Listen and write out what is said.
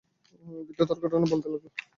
বৃদ্ধ তার ঘটনা বলতে লাগল।